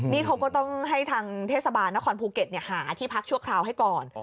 นี่เขาก็ต้องให้ทางเทศบาลนครภูเก็ตหาที่พักชั่วคราวให้ก่อน